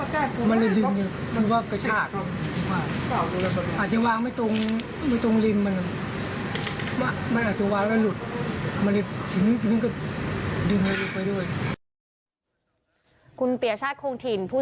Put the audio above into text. เราน่าจะลิงบันหลังมันอาจจะวางไม่ตรงทรงริมมันมันอาจจะวางแล้วลุด